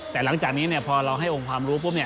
แต่หลังจากนี้พอเราให้องค์ความรู้ปุ๊บ